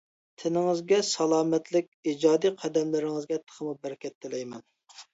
تېنىڭىزگە سالامەتلىك، ئىجادىي قەدەملىرىڭىزگە تېخىمۇ بەرىكەت تىلەيمەن!